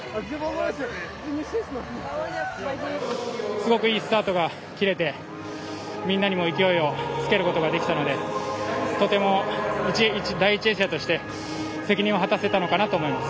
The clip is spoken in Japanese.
すごくいいスタートが切れて皆にも勢いをつけることができたのでとても第１泳者として責任を果たせたのかなと思います。